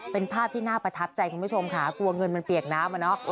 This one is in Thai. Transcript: เป็นภาพที่น่าประทับใจคุณผู้ชมค่ะกลัวเงินมันเปียกน้ำอะเนาะ